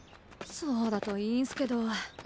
そうだといいんすけど。